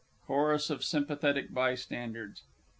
CHORUS OF SYMPATHETIC BYSTANDERS.